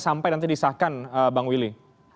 sampai nanti disahkan bang willy